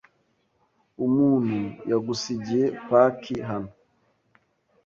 Umuntu yagusigiye paki hano.